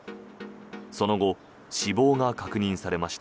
その後、死亡が確認されました。